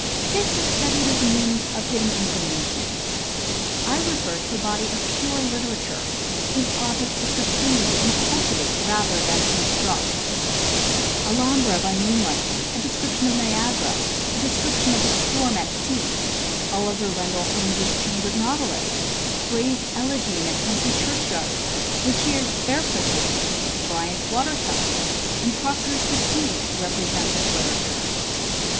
This is studied as a means of getting information. I refer to a body ■ of pure literature, whose office is to please and cultivate rather than to instruct and cultivate. Alhambra by Moonlight ; A Description of Niagara ; A Description of a Storm at Sea ; Oli Study of Nature. 153 ver Wendell Holmes's Chambered Nautilus; Gray's Elegy in a Country Church yard; Whittier's Barefoot Boy; Bryant's Waterfowl, and Proctor's The Sea, represent this literature.